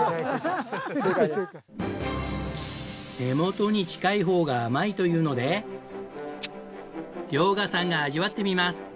根元に近い方が甘いというので遼河さんが味わってみます。